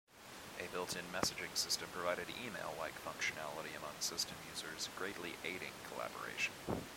A built-in messaging system provided email-like functionality among system users, greatly aiding collaboration.